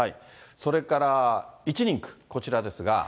それから１人区、こちらですが。